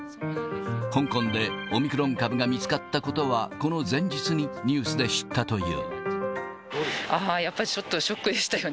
香港でオミクロン株が見つかったことは、この前日にニュースで知ったという。